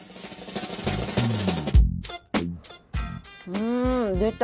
うん出た。